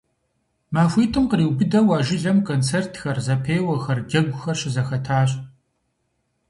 Махуитӏым къриубыдэу а жылэм концертхэр, зэпеуэхэр, джэгухэр щызэхэтащ.